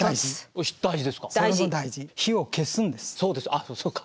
あっそっか。